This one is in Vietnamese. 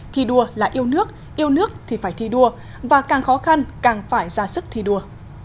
thi đua là yêu nước yêu nước thì phải thi đua và càng khó khăn càng phải ra sức thi đua